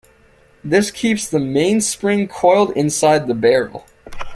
This keeps the mainspring coiled inside the barrel.